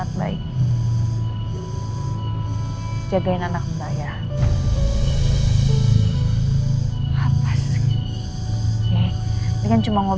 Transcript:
kalau burch pengganti bahan pertama itu mbak mbak itu